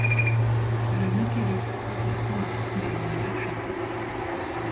Le Nautilus flottait sans doute, mais il ne marchait plus.